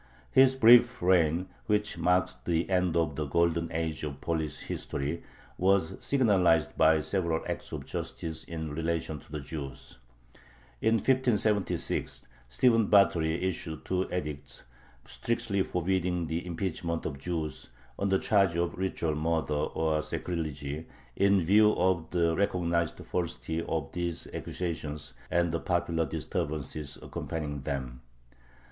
His brief reign, which marks the end of the "golden age" of Polish history, was signalized by several acts of justice in relation to the Jews. In 1576 Stephen Batory issued two edicts, strictly forbidding the impeachment of Jews on the charge of ritual murder or sacrilege, in view of the recognized falsity of these accusations and the popular disturbances accompanying them.